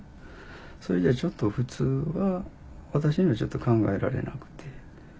それは普通は私にはちょっと考えられなくて。